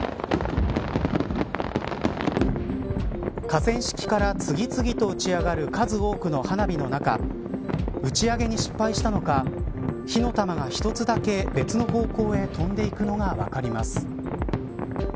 河川敷から次々と打ち上がる数多くの花火の中打ち上げに失敗したのか火の玉が１つだけ別の方向へ飛んでいくのが分かります。